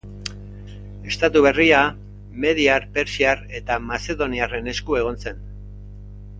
Estatu berria mediar, persiar eta mazedoniarren esku egon zen.